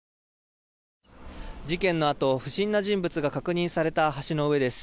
事件のあと、不審な人物が確認された橋の上です。